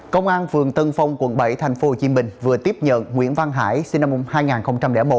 công an phường tân phong quận bảy tp hcm vừa tiếp nhận nguyễn văn hải sinh năm hai nghìn một